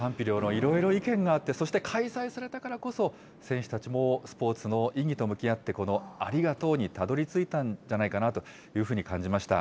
いろいろ意見があって、そして開催されたからこそ、選手たちもスポーツの意義と向き合って、ありがとうにたどりついたんじゃないかなというふうに感じました。